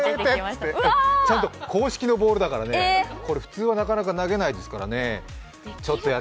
ちゃんと硬式のボールだから普通はなかなか投げないですからね